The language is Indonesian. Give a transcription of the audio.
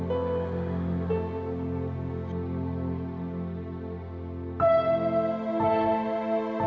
cuma carrying senjata